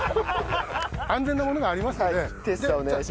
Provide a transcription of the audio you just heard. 安全なものがありますので。